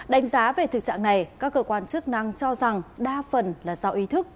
đánh giá về thực trạng này các cơ quan chức năng cho rằng đa phần là do ý thức